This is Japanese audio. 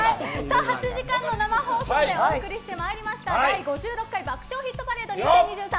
８時間の生放送でお送りしてまいりました「第５６回爆笑ヒットパレード２０２３」。